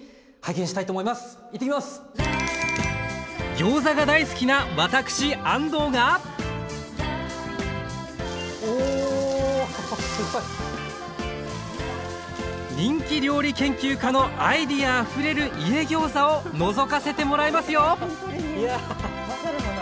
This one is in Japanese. ギョーザが大好きな私安藤がおすごい！人気料理研究家のアイデアあふれる「家ギョーザ」をのぞかせてもらいますよ！